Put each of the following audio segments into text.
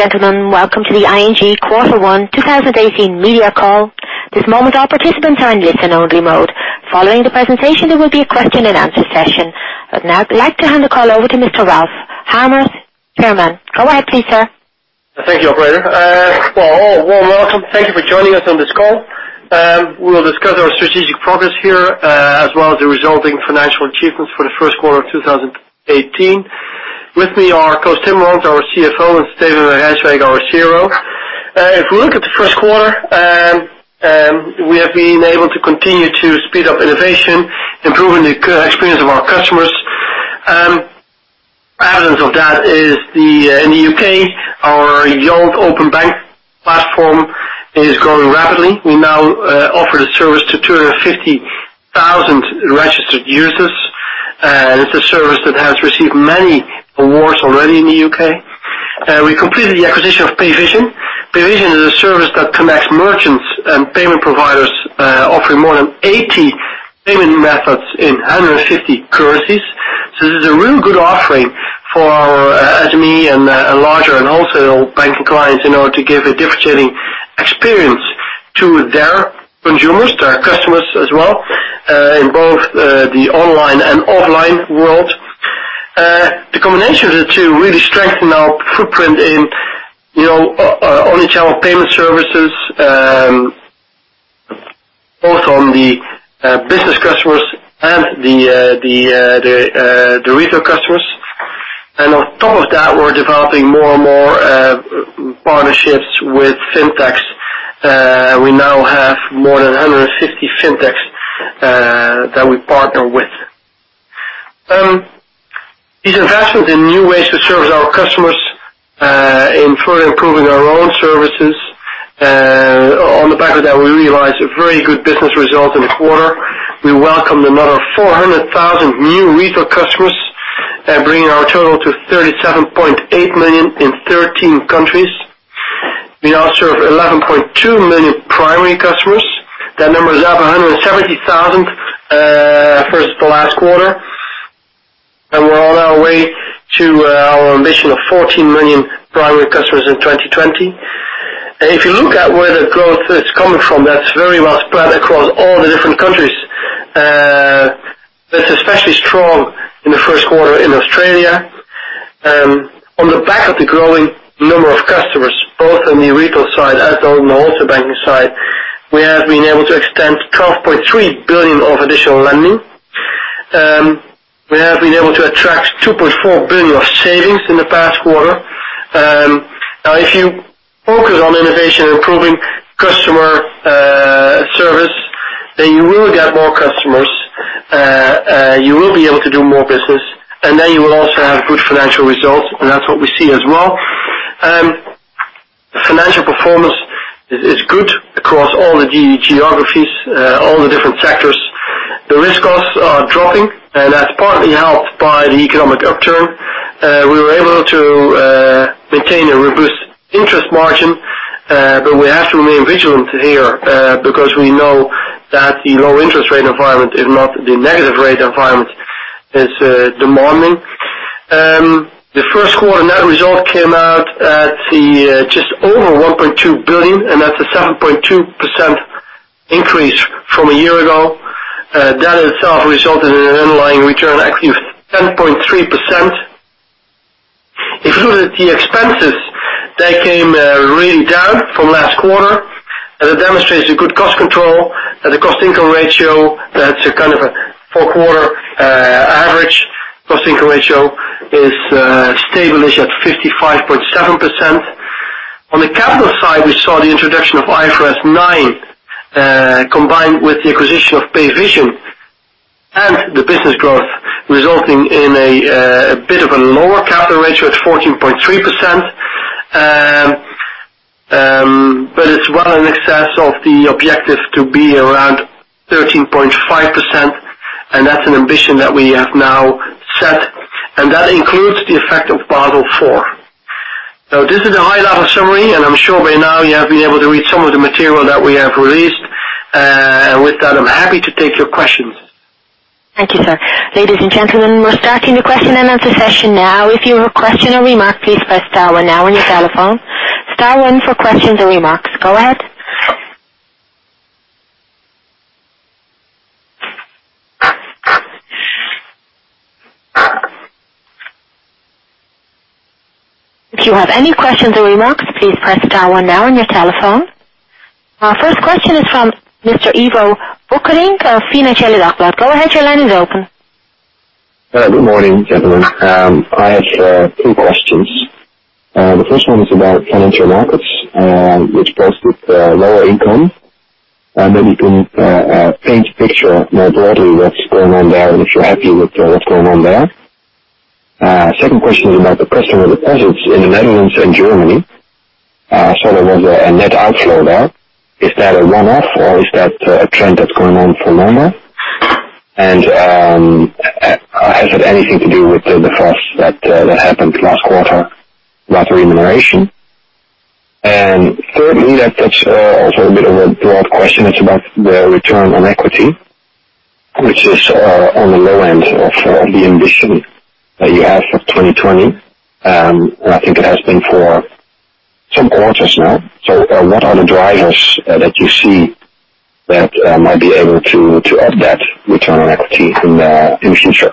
Gentlemen, welcome to the ING Quarter 1 2018 Call. This moment all participants are in listen-only mode. Following the presentation, there will be a question-and-answer session. I'd like to hand the call over to Mr. Ralph Hamers, Chairman. Go ahead, please, sir. Thank you, operator. A warm welcome. Thank you for joining us on this call. We'll discuss our strategic progress here, as well as the resulting financial achievements for the first quarter of 2018. With me are Koos Timmermans, our CFO, and Steven van Rijswijk, our CRO. If we look at the first quarter, we have been able to continue to speed up innovation, improving the experience of our customers. Evidence of that is in the U.K., our Yolt open bank platform is growing rapidly. We now offer the service to 250,000 registered users. It's a service that has received many awards already in the U.K. We completed the acquisition of Payvision. Payvision is a service that connects merchants and payment providers, offering more than 80 payment methods in 150 currencies. This is a really good offering for our SME and larger and wholesale banking clients in order to give a differentiating experience to their consumers, their customers as well, in both the online and offline world. The combination of the two really strengthen our footprint in online channel payment services, both on the business customers and the retail customers. On top of that, we're developing more and more partnerships with Fintechs. We now have more than 150 Fintechs that we partner with. These investments in new ways to service our customers in further improving our own services. On the back of that, we realized a very good business result in the quarter. We welcomed another 400,000 new retail customers, bringing our total to 37.8 million in 13 countries. We now serve 11.2 million primary customers. That number is up 170,000 versus the last quarter, we're on our way to our ambition of 14 million primary customers in 2020. If you look at where the growth is coming from, that's very well spread across all the different countries. That's especially strong in the first quarter in Australia. On the back of the growing number of customers, both on the retail side as on the wholesale banking side, we have been able to extend 12.3 billion of additional lending. We have been able to attract 2.4 billion of savings in the past quarter. If you focus on innovation and improving customer service, you will get more customers, you will be able to do more business, you will also have good financial results. That's what we see as well. Financial performance is good across all the geographies, all the different sectors. That's partly helped by the economic upturn. We were able to maintain a robust interest margin, we have to remain vigilant here, because we know that the low interest rate environment is not the negative rate environment is demanding. The first quarter net result came out at just over 1.2 billion, that's a 7.2% increase from a year ago. That itself resulted in an underlying return, actually of 10.3%. If you look at the expenses, they came really down from last quarter, and it demonstrates a good cost control. The cost-income ratio, that's a kind of a four-quarter average cost-income ratio, is stable-ish at 55.7%. On the capital side, we saw the introduction of IFRS 9, combined with the acquisition of Payvision and the business growth resulting in a bit of a lower capital ratio at 14.3%. It's well in excess of the objective to be around 13.5%, that's an ambition that we have now set, and that includes the effect of Basel IV. This is a high-level summary, and I'm sure by now you have been able to read some of the material that we have released. With that, I'm happy to take your questions. Thank you, sir. Ladies and gentlemen, we're starting the question-and-answer session now. If you have a question or remark, please press star one now on your telephone. Star one for questions or remarks. Go ahead. If you have any questions or remarks, please press star one now on your telephone. Our first question is from Mr. Ivo Bökkerink of Financieele Dagblad. Go ahead, your line is open. Good morning, gentlemen. I have two questions. The first one is about Financial Markets, which posted lower income. Maybe you can paint a picture more broadly what's going on there, and if you're happy with what's going on there. Second question is about the customer deposits in the Netherlands and Germany. I saw there was a net outflow there. Is that a one-off, or is that a trend that's going on for longer? Has it anything to do with the frost that happened last quarter about remuneration? Thirdly, that's also a bit of a broad question. It's about the return on equity. Which is on the low end of the ambition that you have for 2020, and I think it has been for some quarters now. What are the drivers that you see that might be able to up that return on equity in the future?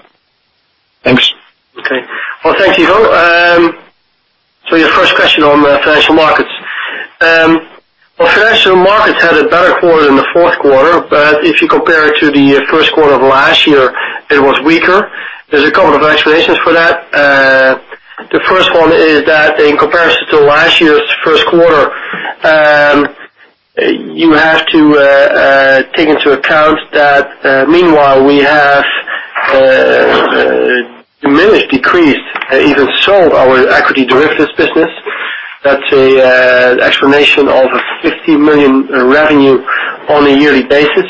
Thanks. Okay. Well, thanks, Ivo. Your first question on Financial Markets. Financial Markets had a better quarter than the fourth quarter, but if you compare it to the first quarter of last year, it was weaker. There's a couple of explanations for that. The first one is that in comparison to last year's first quarter, you have to take into account that meanwhile we have diminished, decreased, even sold our equity derivatives business. That's an explanation of a 15 million revenue on a yearly basis.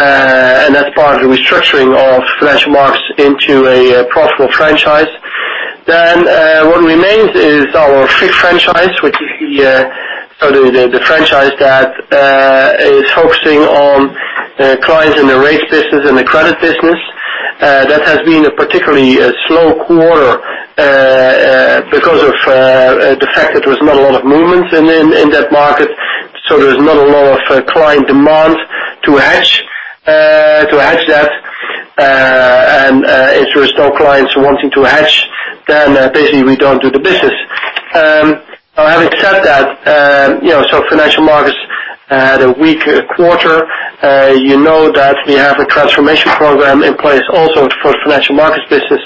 That's part of the restructuring of Financial Markets into a profitable franchise. What remains is our FICC franchise, which is the franchise that is focusing on clients in the rates business and the credit business. That has been a particularly slow quarter because of the fact that there was not a lot of movements in that market. There's not a lot of client demand to hedge that. If there is no clients wanting to hedge, then basically we don't do the business. Having said that, Financial Markets had a weak quarter. You know that we have a transformation program in place also for Financial Markets business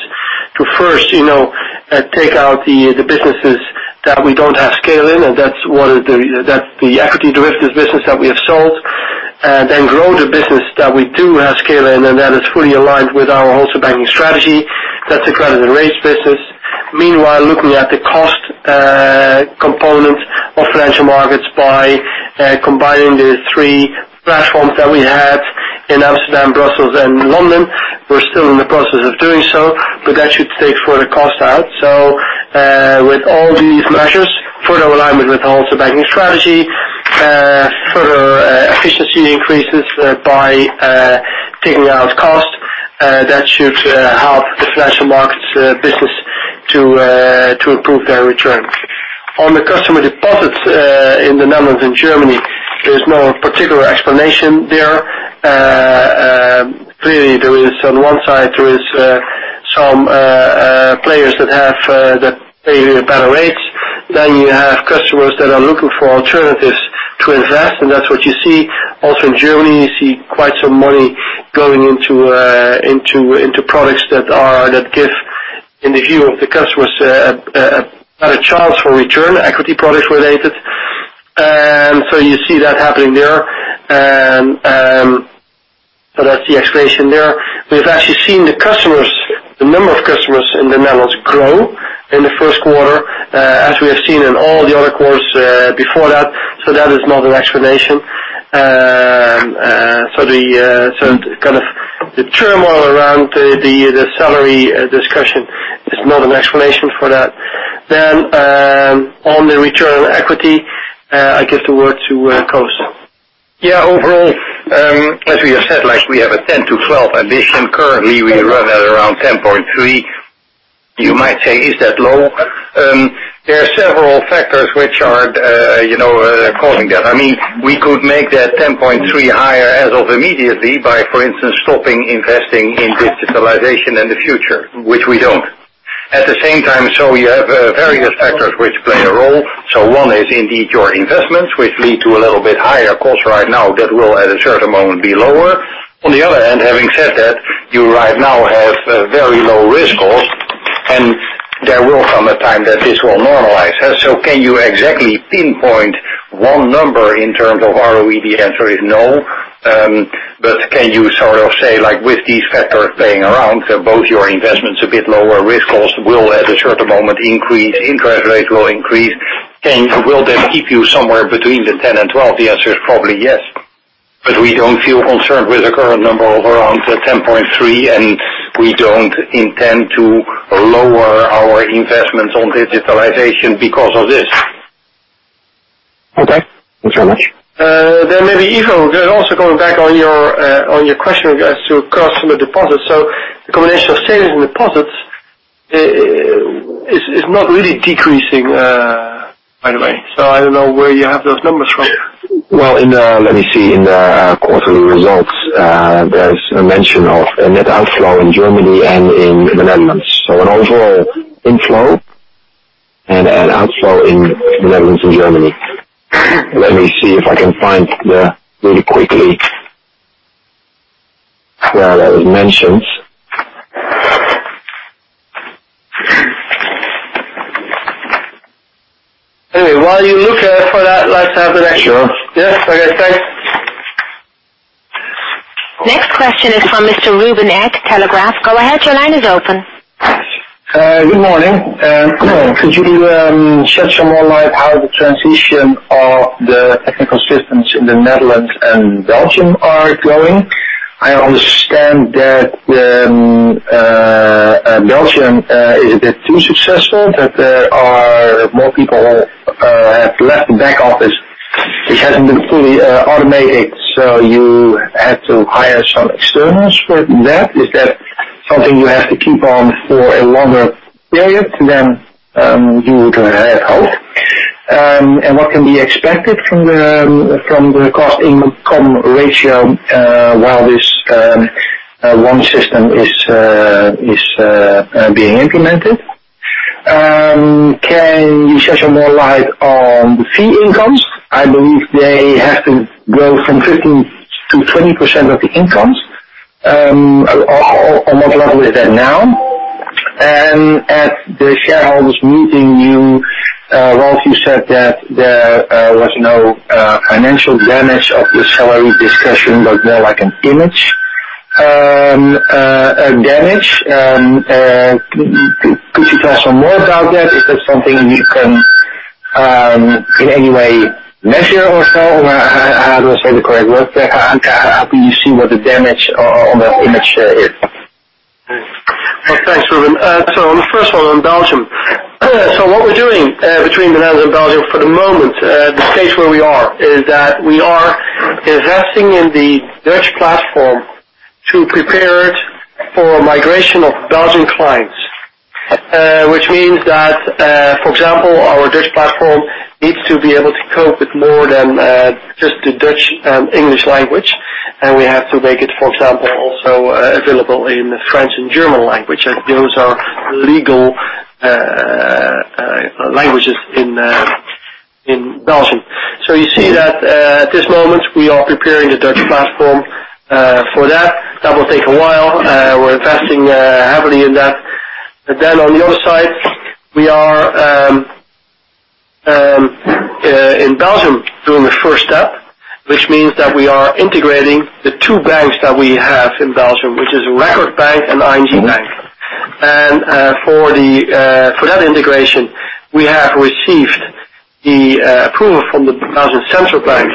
to first take out the businesses that we don't have scale in, and that's the equity derivatives business that we have sold, then grow the business that we do have scale in, and that is fully aligned with our wholesale banking strategy. That's the credit and rates business. Meanwhile, looking at the cost component of Financial Markets by combining the three platforms that we had in Amsterdam, Brussels, and London. We're still in the process of doing so, but that should take further cost out. With all these measures, further alignment with the wholesale banking strategy, further efficiency increases by taking out cost, that should help the Financial Markets business to improve their return. On the customer deposits, in the Netherlands and Germany, there is no particular explanation there. Clearly, on one side there is some players that pay better rates. You have customers that are looking for alternatives to invest, and that's what you see. Also in Germany, you see quite some money going into products that give, in the view of the customers, a better chance for return, equity products related. You see that happening there. That's the explanation there. We've actually seen the number of customers in the Netherlands grow in the first quarter, as we have seen in all the other quarters before that. That is not an explanation. The turmoil around the salary discussion is not an explanation for that. On the return on equity, I give the word to Koos. Overall, as we have said, we have a 10%-12% ambition. Currently we run at around 10.3%. You might say, "Is that low?" There are several factors which are causing that. We could make that 10.3% higher as of immediately by, for instance, stopping investing in digitalization in the future, which we don't. At the same time, you have various factors which play a role. One is indeed your investments, which lead to a little bit higher cost right now that will at a certain moment be lower. On the other hand, having said that, you right now have very low risk cost, and there will come a time that this will normalize. Can you exactly pinpoint one number in terms of ROE? The answer is no. Can you say with these factors playing around, both your investments a bit lower, risk cost will at a certain moment increase, interest rate will increase. Will that keep you somewhere between the 10% and 12%? The answer is probably yes. We don't feel concerned with the current number of around the 10.3%, and we don't intend to lower our investments on digitalization because of this. Okay. Thanks very much. Maybe, Ivo, also going back on your question as to customer deposits. The combination of savings and deposits is not really decreasing, by the way. I don't know where you have those numbers from. Well, let me see. In the quarterly results, there's a mention of a net outflow in Germany and in the Netherlands. An overall inflow and an outflow in the Netherlands and Germany. Let me see if I can find really quickly where that was mentioned. While you look for that, let's have the next one. Sure. Yes. Okay, thanks. Next question is from Mr. Ruben Eg, De Telegraaf. Go ahead, your line is open. Good morning. Could you shed some more light how the transition of the technical systems in the Netherlands and Belgium are going? I understand that Belgium is a bit too successful, that there are more people have left the back office. It hasn't been fully automated, so you had to hire some externals for that. Is that something you have to keep on for a longer period than you would have hoped? What can be expected from the cost-income ratio while this one system is being implemented? Can you shed some more light on the fee incomes? I believe they have to grow from 15%-20% of the incomes. On what level is that now? At the shareholders' meeting, Ralph, you said that there was no financial damage of the salary discussion, but more like an image damage. Could you tell us some more about that? Is that something you can, in any way, measure or so? How do I say the correct word there? How do you see what the damage on that image is? Thanks, Ruben. On the first one on Belgium. What we're doing between the Netherlands and Belgium for the moment, the stage where we are, is that we are investing in the Dutch platform to prepare it for migration of Belgian clients. Which means that, for example, our Dutch platform needs to be able to cope with more than just the Dutch, English language. We have to make it, for example, also available in French and German language, as those are legal languages in Belgium. You see that at this moment, we are preparing the Dutch platform for that. That will take a while. We're investing heavily in that. On the other side, we are in Belgium doing the first step, which means that we are integrating the two banks that we have in Belgium, which is Record Bank and ING Bank. For that integration, we have received the approval from the National Bank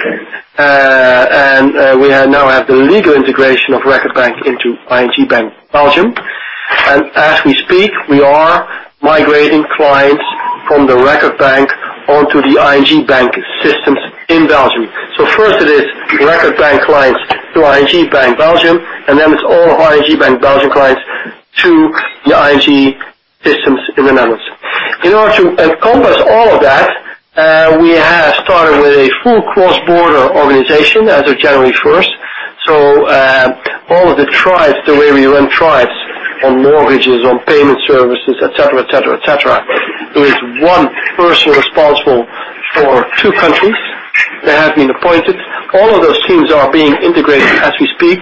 of Belgium. We now have the legal integration of Record Bank into ING Bank Belgium. As we speak, we are migrating clients from the Record Bank onto the ING Bank systems in Belgium. First it is Record Bank clients to ING Bank Belgium, then it's all ING Bank Belgium clients to the ING systems in the Netherlands. In order to encompass all of that, we have started with a full cross-border organization as of January 1st. All of the tribes, the way we run tribes on mortgages, on payment services, et cetera. There is one person responsible for two countries that has been appointed. All of those teams are being integrated as we speak.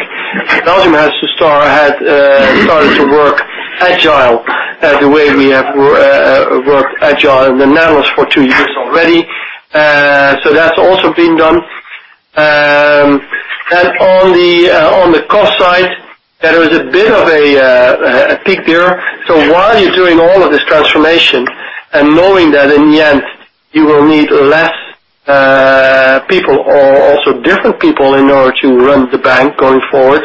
Belgium has started to work agile, the way we have worked agile in the Netherlands for two years already. That's also been done. On the cost side, there is a bit of a peak there. While you're doing all of this transformation and knowing that in the end, you will need less people or also different people in order to run the bank going forward.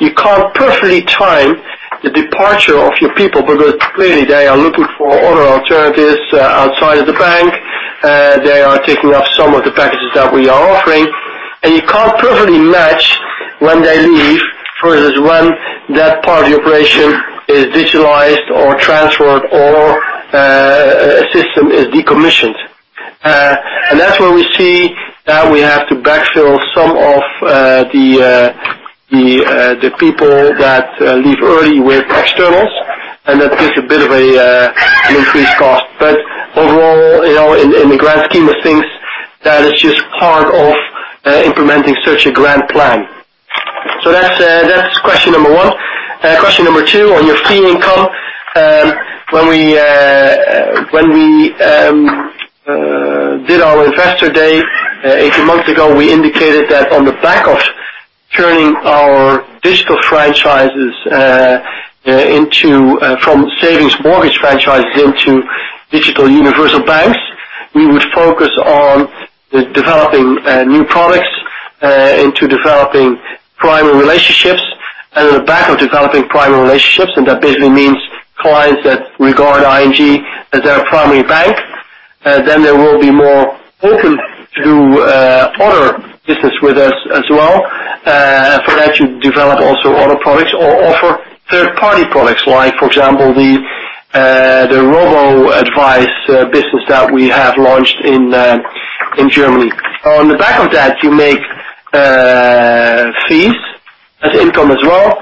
You can't perfectly time the departure of your people because clearly they are looking for other alternatives outside of the bank. They are taking up some of the packages that we are offering. You can't perfectly match when they leave versus when that part of the operation is digitalized or transferred or a system is decommissioned. That's where we see that we have to backfill some of the people that leave early with externals, and that takes a bit of an increased cost. Overall, in the grand scheme of things, that is just part of implementing such a grand plan. That's question number one. Question number two on your fee income. When we did our investor day 18 months ago, we indicated that on the back of turning our digital franchises from savings mortgage franchises into digital universal banks, we would focus on developing new products into developing primary relationships. On the back of developing primary relationships, and that basically means clients that regard ING as their primary bank, then they will be more open to other business with us as well. For that, you develop also other products or offer third-party products like, for example, the Robo-advice business that we have launched in Germany. On the back of that, you make fees as income as well.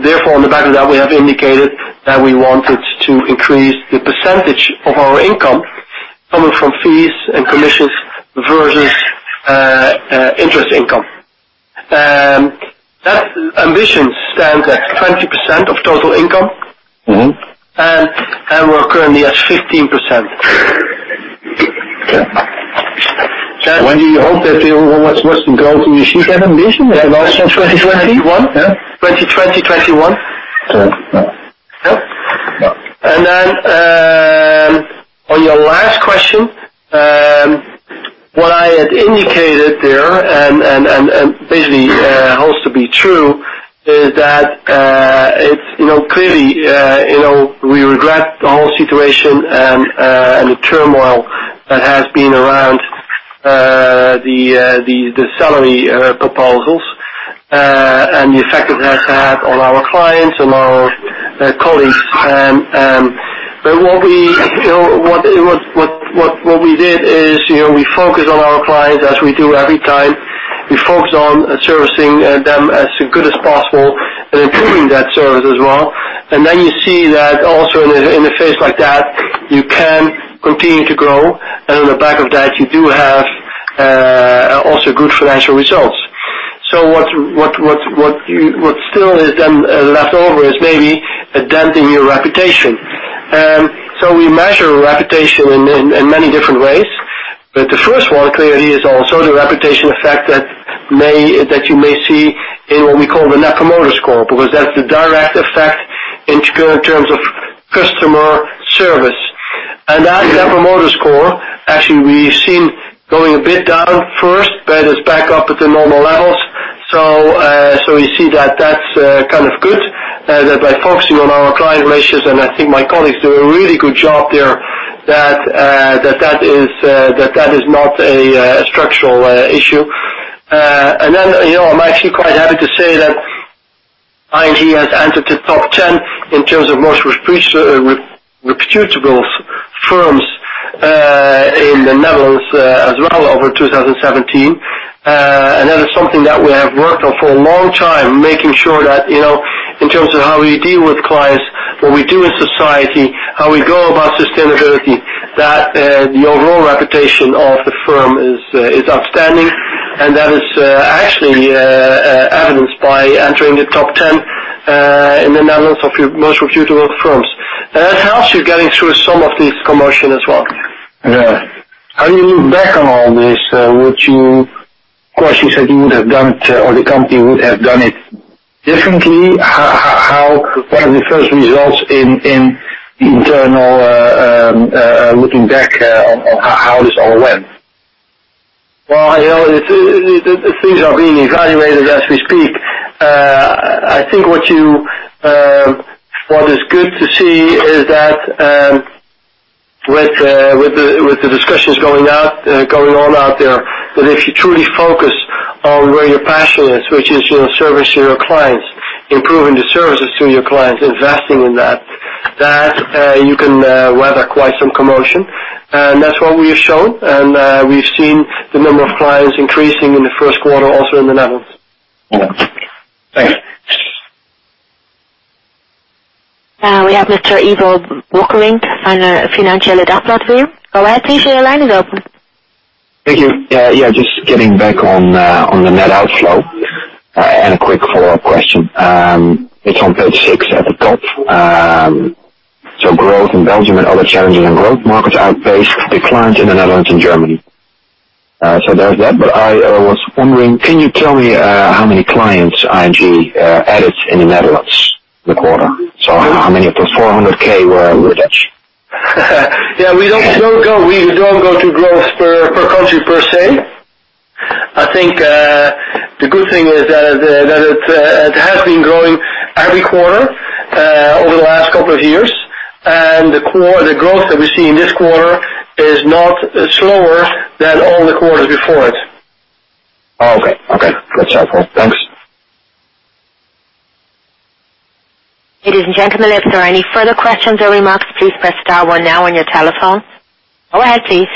Therefore, on the back of that, we have indicated that we wanted to increase the percentage of our income coming from fees and commissions versus interest income. That ambition stands at 20% of total income. We're currently at 15%. Okay. When do you hope that will most grow to achieve that ambition? 2021. Yeah. 2020, 2021. Good. Yeah. Yeah. On your last question, what I had indicated there and basically holds to be true is that We regret the whole situation and the turmoil that has been around the salary proposals and the effect it has had on our clients and our colleagues. What we did is we focused on our clients as we do every time. We focused on servicing them as good as possible and improving that service as well. You see that also in a phase like that, you can continue to grow, and on the back of that, you do have also good financial results. What still is then left over is maybe a dent in your reputation. We measure reputation in many different ways. The first one clearly is also the reputation effect that you may see in what we call the Net Promoter Score, because that's the direct effect in terms of customer service. That Net Promoter Score, actually, we've seen going a bit down first, but it is back up at the normal levels. You see that's kind of good, that by focusing on our client relations, and I think my colleagues do a really good job there, that is not a structural issue. I'm actually quite happy to say that ING has entered the top 10 in terms of most reputable firms in the Netherlands as well over 2017. That is something that we have worked on for a long time, making sure that in terms of how we deal with clients, what we do in society, how we go about sustainability, that the overall reputation of the firm is upstanding, that is actually evidenced by entering the top 10 in the Netherlands of most reputable firms. It helps you getting through some of this commotion as well. Yeah. How do you look back on all this? Of course, you said you would have done it or the company would have done it differently. What are the first results in internal looking back on how this all went? Well, things are being evaluated as we speak. I think what is good to see is that with the discussions going on out there, that if you truly focus on where your passion is, which is your service to your clients, improving the services to your clients, investing in that you can weather quite some commotion. That's what we have shown, and we've seen the number of clients increasing in the first quarter also in the Netherlands. Yeah. Thanks. We have Mr. Ivo Bökkerink, Het Financieele Dagblad with you. Go ahead, please, your line is open. Thank you. Yeah, just getting back on the net outflow, a quick follow-up question. It's on page six at the top. Growth in Belgium and other challenging and growth markets outpaced declines in the Netherlands and Germany. I was wondering, can you tell me how many clients ING added in the Netherlands this quarter? How many of those 400,000 were Dutch? Yeah, we don't go through growth per country per se. I think the good thing is that it has been growing every quarter over the last couple of years. The growth that we see in this quarter is not slower than all the quarters before it. Okay. That's helpful. Thanks. Ladies and gentlemen, if there are any further questions or remarks, please press star one now on your telephone. Go ahead, please.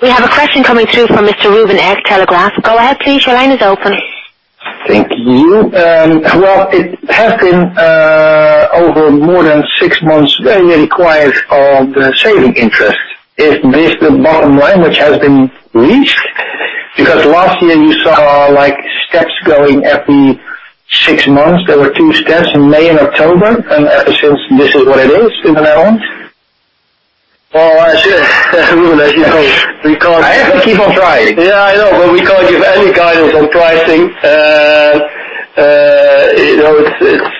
We have a question coming through from Mr. Ruben Eg, De Telegraaf. Go ahead, please. Your line is open. Thank you. Well, it has been over more than six months, very quiet on the saving interest. Is this the bottom line which has been reached? Because last year you saw steps going every six months. There were two steps in May and October, and ever since this is what it is in the Netherlands. Well, as you know, we can't. I have to keep on trying. I know, but we can't give any guidance on pricing.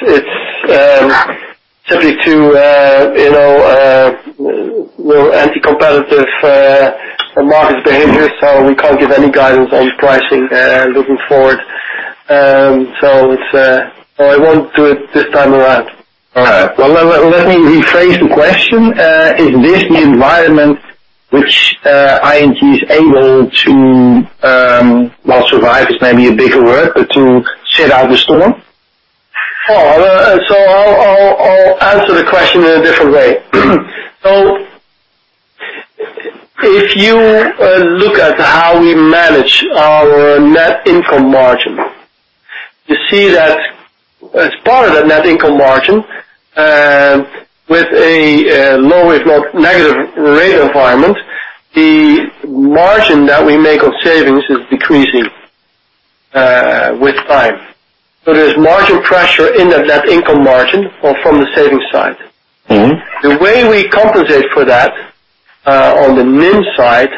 It's simply too anti-competitive markets behavior. We can't give any guidance on pricing looking forward. I won't do it this time around. All right. Well, let me rephrase the question. Is this the environment which ING is able to, well, survive is maybe a bigger word, but to sit out the storm? I'll answer the question in a different way. If you look at how we manage our net income margin, you see that as part of that net income margin, with a low, if not negative rate environment, the margin that we make on savings is decreasing with time. There's margin pressure in the net income margin from the savings side. The way we compensate for that on the NIM side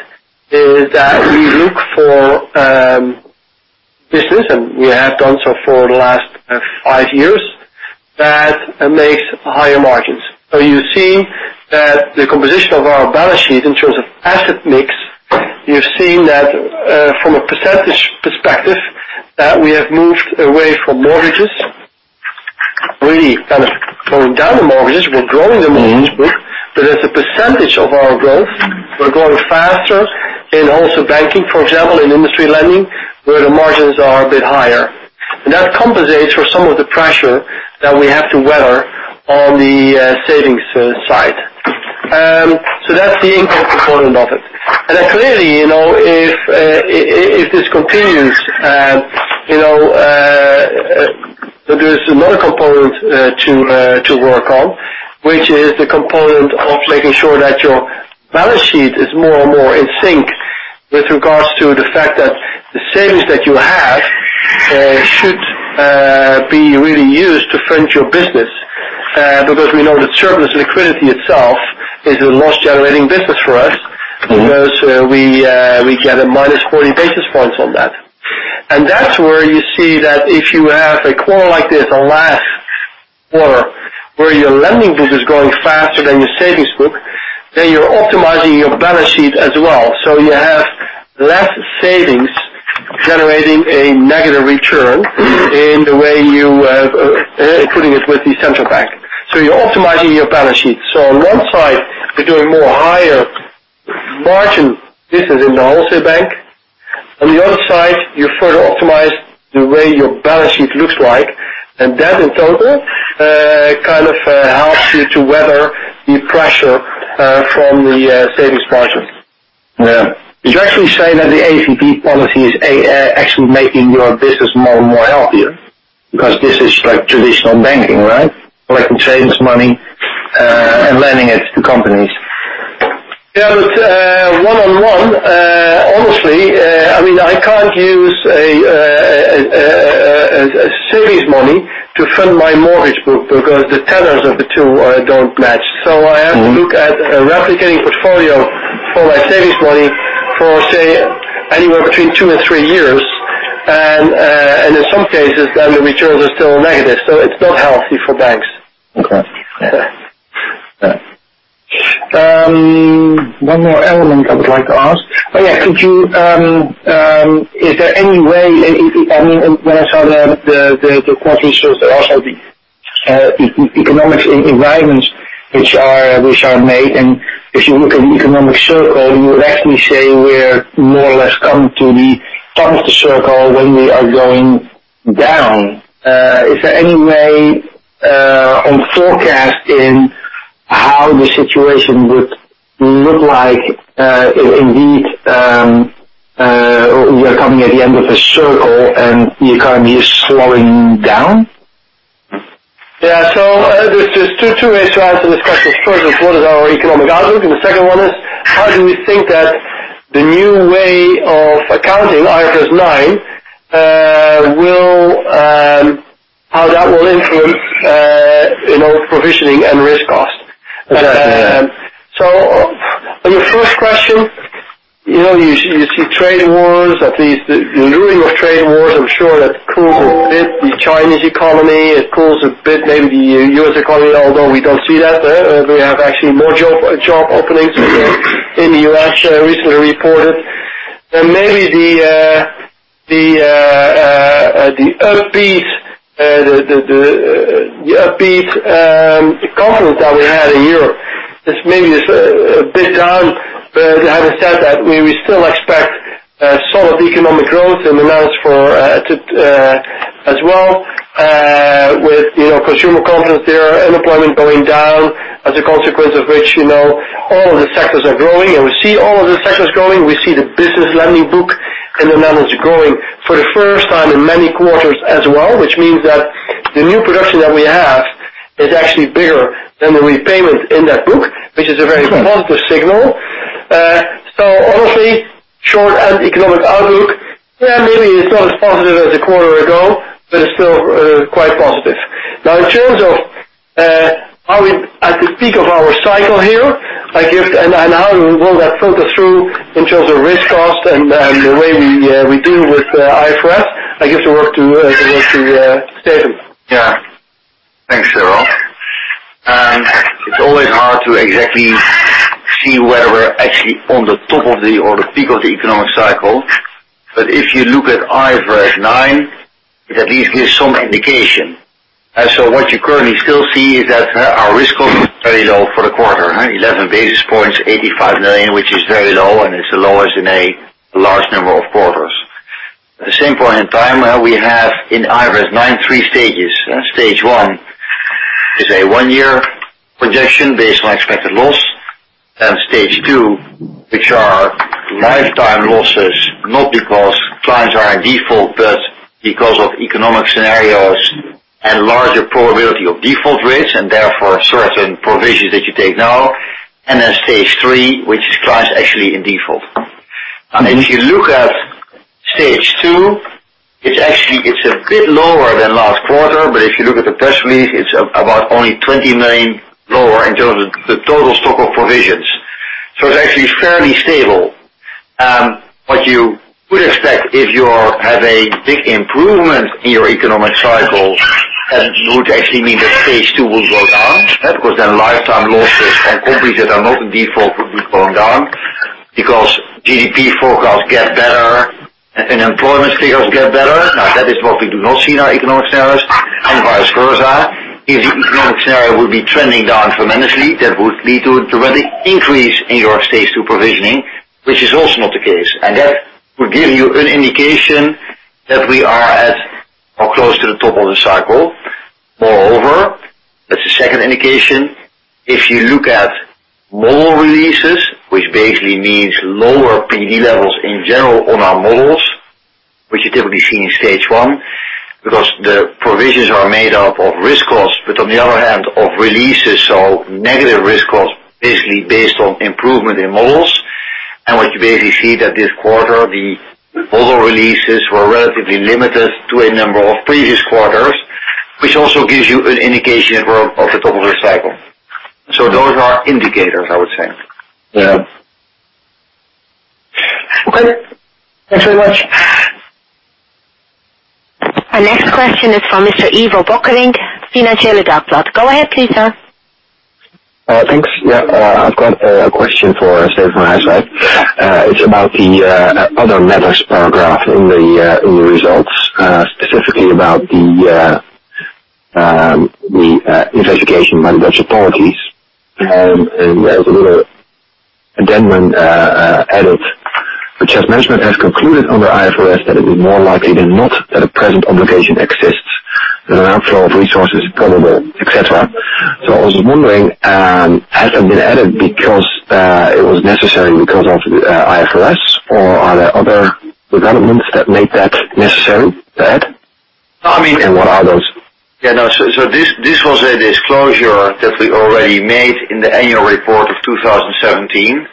is that we look for business, and we have done so for the last five years, that makes higher margins. You see that the composition of our balance sheet in terms of asset mix. You've seen that from a percentage perspective, that we have moved away from mortgages, really kind of pulling down the mortgages. We're growing the mortgage book, but as a percentage of our growth, we're growing faster in wholesale banking, for example, in industry lending, where the margins are a bit higher. That compensates for some of the pressure that we have to weather on the savings side. That's the income component of it. Clearly, if this continues, there's another component to work on, which is the component of making sure that your balance sheet is more and more in sync with regards to the fact that the savings that you have should be really used to fund your business. We know that surplus liquidity itself is a loss-generating business for us because we get a -40 basis points on that. That's where you see that if you have a quarter like this, a last quarter, where your lending business is growing faster than your savings book, then you're optimizing your balance sheet as well. You have less savings generating a negative return in the way you have, including it with the central bank. You're optimizing your balance sheet. On one side, you're doing more higher margin business in the wholesale bank. On the other side, you further optimize the way your balance sheet looks like. That in total kind of helps you to weather the pressure from the savings margins. You're actually saying that the ECB policy is actually making your business more and more healthier? This is like traditional banking, right? Collect the savings money and lending it to companies. One-on-one, honestly, I can't use a savings money to fund my mortgage book. The tenors of the two don't match. I have to look at a replicating portfolio for my savings money for, say, anywhere between two and three years. In some cases, then the returns are still negative. It's not healthy for banks. Okay. Yeah. One more element I would like to ask. Oh, yeah. When I saw the quarter results, there are also the economic environments which are made. If you look at the economic circle, you would actually say we're more or less coming to the top of the circle when we are going down. Is there any way on forecast in how the situation would look like, if indeed we are coming at the end of a circle and the economy is slowing down? Yeah. There are two ways to answer this question. First is what is our economic outlook. The second one is how do we think that the new way of accounting, IFRS 9, how that will influence provisioning and risk cost. Exactly. On your first question, you see trade wars. At least the looming of trade wars, I'm sure that cools a bit the Chinese economy. It cools a bit maybe the U.S. economy, although we don't see that there. We have actually more job openings in the U.S., recently reported. Maybe the upbeat confidence that we had in Europe is maybe is a bit down. Having said that, we still expect solid economic growth in the Netherlands as well. With consumer confidence there, unemployment going down as a consequence of which all of the sectors are growing, and we see all of the sectors growing. We see the business lending book in the Netherlands growing for the first time in many quarters as well, which means that the new production that we have is actually bigger than the repayment in that book, which is a very positive signal. Honestly, short and economic outlook, yeah, maybe it's not as positive as a quarter ago. It's still quite positive. Now, in terms of are we at the peak of our cycle here, how will that filter through in terms of risk cost and the way we deal with IFRS, I give the work to Steven. Yeah. Thanks, Ralph. It's always hard to exactly see whether we're actually on the top of the or the peak of the economic cycle. If you look at IFRS 9, it at least gives some indication. What you currently still see is that our risk cost is very low for the quarter, 11 basis points, 85 million, which is very low, and it's the lowest in a large number of quarters. At the same point in time, we have in IFRS 9 three stages. Stage 1 is a one-year projection based on expected loss. Stage 2, which are lifetime losses, not because clients are in default, but because of economic scenarios and larger probability of default rates, and therefore, certain provisions that you take now. Stage 3, which is clients actually in default. If you look at stage 2, it's a bit lower than last quarter, but if you look at the press release, it's about only 20 million lower in terms of the total stock of provisions. It's actually fairly stable. What you would expect if you have a big improvement in your economic cycle actually mean that phase 2 will go down. Lifetime losses from companies that are not in default will be going down, because GDP forecasts get better and employment figures get better. That is what we do not see in our economic scenarios and vice versa. If the economic scenario will be trending down tremendously, that would lead to a dramatic increase in your stage 2 provisioning, which is also not the case. That would give you an indication that we are as close to the top of the cycle. Moreover, that's the second indication. If you look at model releases, which basically means lower PD levels in general on our models, which you typically see in stage 1, because the provisions are made up of risk costs, but on the other hand, of releases, so negative risk costs, basically based on improvement in models and what you basically see that this quarter, the model releases were relatively limited to a number of previous quarters, which also gives you an indication of the top of the cycle. Those are indicators, I would say. Yeah. Okay. Thanks very much. Our next question is from Mr. Ivo Bökkerink, Het Financieele Dagblad. Go ahead, please, sir. Thanks. I've got a question for Steven in that side. It's about the other matters paragraph in the results, specifically about the investigation by the Dutch authorities. There was a little addendum added, which says, "Management has concluded under IFRS that it is more likely than not that a present obligation exists and an outflow of resources probable," et cetera. I was wondering, has that been added because it was necessary because of the IFRS, or are there other developments that made that necessary to add? What are those? This was a disclosure that we already made in the annual report of 2017.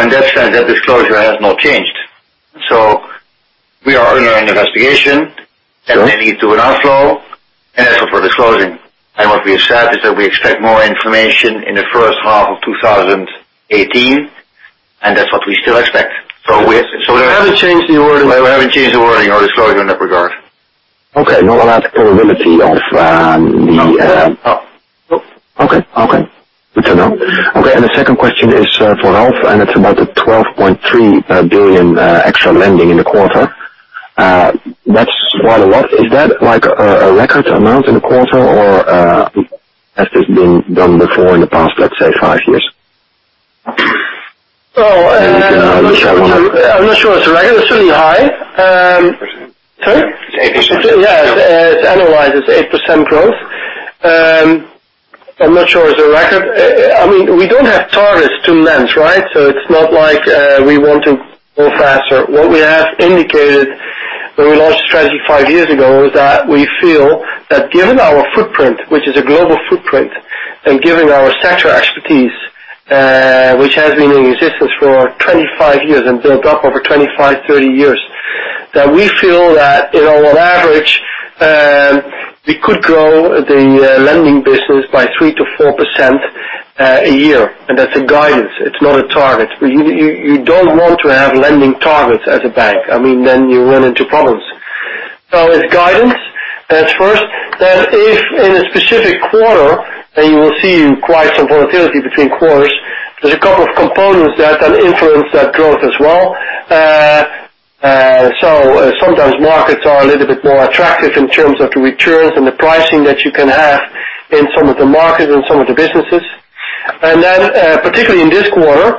In that sense, that disclosure has not changed. We are under an investigation that may lead to an outflow, and that's what we're disclosing. What we have said is that we expect more information in the first half of 2018, and that's what we still expect. We haven't changed the wording. We haven't changed the wording or disclosure in that regard. Okay. Nor that probability. No. Okay. Good to know. Okay, the second question is for Ralph, it's about the 12.3 billion extra lending in the quarter. That's quite a lot. Is that a record amount in a quarter, or has this been done before in the past, let's say, five years? I'm not sure it's a record. It's really high. Sorry? It's 8%. Yeah. It's annualized, it's 8% growth. I'm not sure it's a record. We don't have targets to lend. It's not like we want to go faster. What we have indicated when we launched the strategy five years ago is that we feel that given our footprint, which is a global footprint, and given our sector expertise, which has been in existence for 25 years and built up over 25, 30 years, that we feel that on average, we could grow the lending business by 3% to 4% a year. That's a guidance. It's not a target. You don't want to have lending targets as a bank. You run into problems. It's guidance. That's first. If in a specific quarter, and you will see quite some volatility between quarters, there's a couple of components that influence that growth as well. Sometimes markets are a little bit more attractive in terms of the returns and the pricing that you can have in some of the markets and some of the businesses. Particularly in this quarter,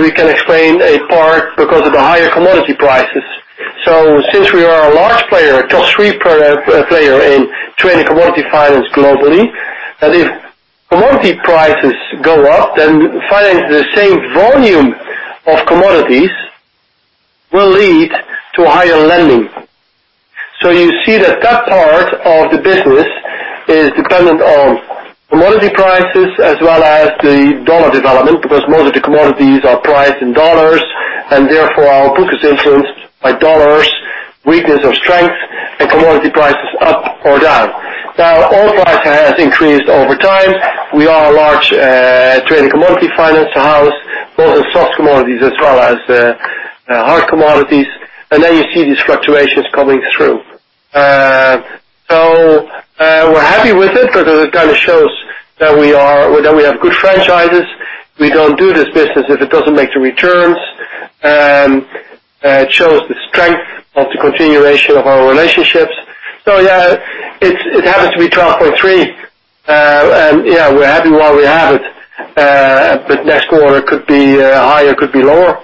we can explain a part because of the higher commodity prices. Since we are a large player, a top three player in trade and commodity finance globally, that if commodity prices go up, then finance the same volume of commodities will lead to higher lending. You see that that part of the business is dependent on commodity prices as well as the USD development, because most of the commodities are priced in USD, and therefore our book is influenced by USD, weakness or strength, and commodity prices up or down. Now, oil price has increased over time. We are a large trade and commodity finance house, both in soft commodities as well as hard commodities. You see these fluctuations coming through. We're happy with it because it shows that we have good franchises. We don't do this business if it doesn't make the returns. It shows the strength of the continuation of our relationships. Yeah, it happens to be 12.3, and yeah, we're happy while we have it. Next quarter could be higher, could be lower.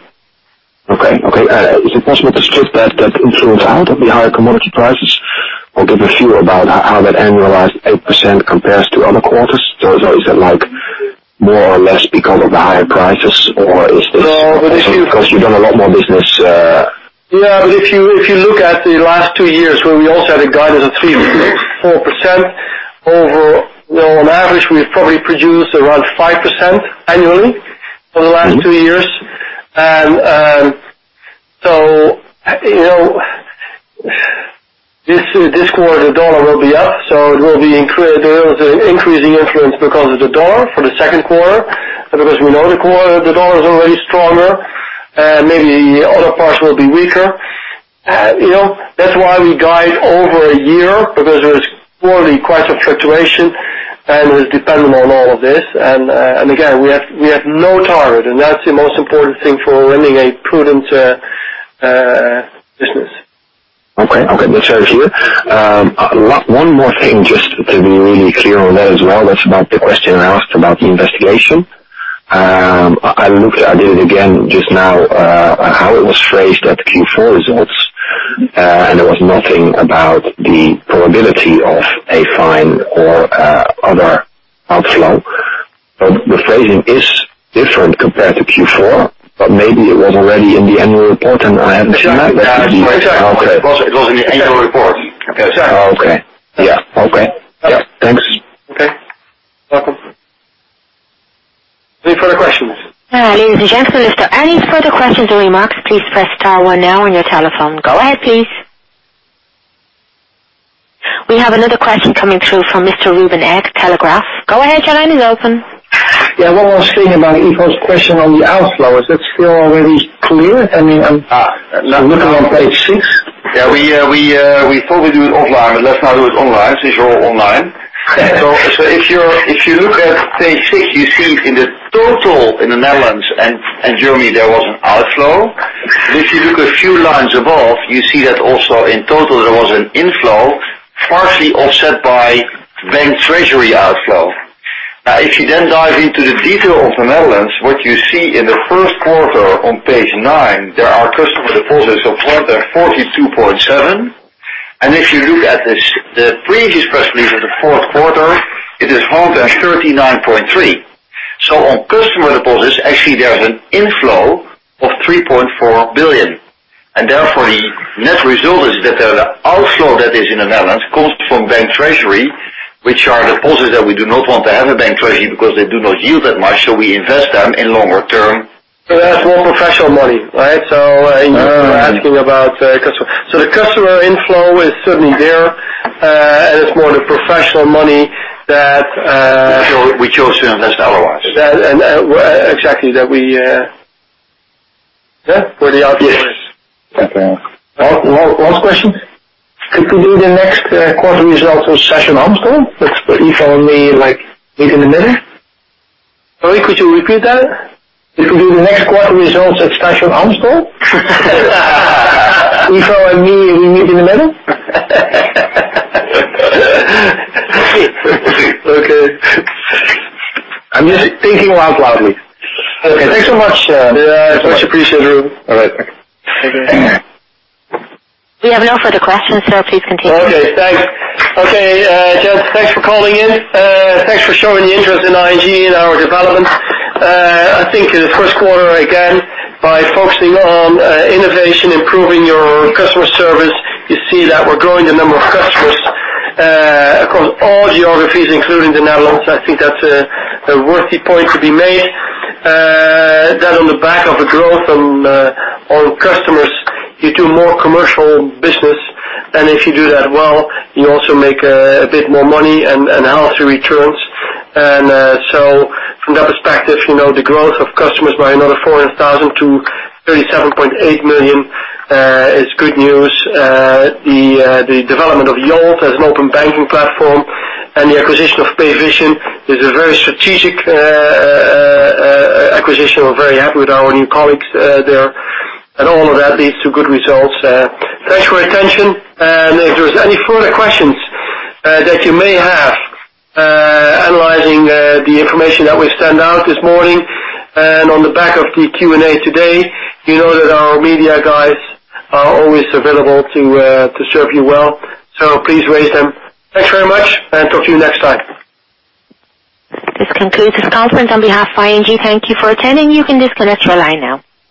Okay. Is it possible to strip that influence out of the higher commodity prices or give a feel about how that annualized 8% compares to other quarters? Is it more or less because of the higher prices or is this because you've done a lot more business? Yeah, if you look at the last two years, where we also had a guidance of 3.6%-4%, on average, we've probably produced around 5% annually for the last two years. This quarter, the U.S. dollar will be up, so there is an increasing influence because of the U.S. dollar for the second quarter. Because we know the U.S. dollar is already stronger, maybe other parts will be weaker. That's why we guide over a year, because there is quarterly quite some fluctuation, and it is dependent on all of this. Again, we have no target, and that's the most important thing for running a prudent business. Okay. That's very clear. One more thing, just to be really clear on that as well. That's about the question I asked about the investigation. I looked at it again just now, how it was phrased at the Q4 results, and there was nothing about the probability of a fine or other outflow. The phrasing is different compared to Q4, but maybe it was already in the annual report and I haven't seen that. Exactly. It was in the annual report. Okay. Yeah. Okay. Thanks. Okay. Welcome. Any further questions? Ladies and gentlemen, if there are any further questions or remarks, please press star one now on your telephone. Go ahead, please. We have another question coming through from Mr. Ruben Eg, De Telegraaf. Go ahead, your line is open. Yeah. One more thing about Ivo's question on the outflow. Is that still already clear? I'm looking on page six. We thought we'd do it offline, but let's now do it online since you're all online. If you look at page six, you see in the total in the Netherlands and Germany, there was an outflow. If you look a few lines above, you see that also in total there was an inflow, partially offset by bank treasury outflow. If you dive into the detail of the Netherlands, what you see in the first quarter on page nine, there are customer deposits of more than 42.7. If you look at the previous press release of the fourth quarter, it is more than 39.3. On customer deposits, actually, there is an inflow of 3.4 billion. Therefore, the net result is that the outflow that is in the Netherlands comes from bank treasury, which are deposits that we do not want to have in bank treasury because they do not yield that much, so we invest them in longer term. That's more professional money, right? You're asking about customer. The customer inflow is certainly there, and it's more the professional money that We chose to invest otherwise. Exactly. Where the outflow is. Okay. Last question. Could we do the next quarter results with CC Amstel? If only, like, meet in the middle? Sorry, could you repeat that? If we do the next quarter results at CC Amstel? Ivo and me, we meet in the middle? Okay. I'm just thinking out loud with you. Okay, thanks so much. Yeah. Much appreciated, Ruben. All right, thanks. Thank you. We have no further questions, sir. Please continue. Okay, thanks. Okay, gents, thanks for calling in. Thanks for showing the interest in ING and our development. I think in the first quarter, again, by focusing on innovation, improving your customer service, you see that we're growing the number of customers across all geographies, including the Netherlands. I think that's a worthy point to be made. That on the back of the growth on customers, you do more commercial business. If you do that well, you also make a bit more money and healthy returns. From that perspective, the growth of customers by another 400,000 to 37.8 million is good news. The development of Yolt as an open banking platform and the acquisition of Payvision is a very strategic acquisition. We're very happy with our new colleagues there. All of that leads to good results. Thanks for your attention. If there's any further questions that you may have analyzing the information that we sent out this morning and on the back of the Q&A today, you know that our media guys are always available to serve you well. Please raise them. Thanks very much, and talk to you next time. This concludes this conference. On behalf of ING, thank you for attending. You can disconnect your line now.